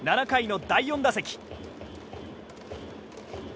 ７回の第４打席。